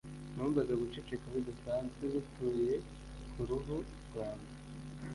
numvaga guceceka bidasanzwe gutuye kuruhu rwanjye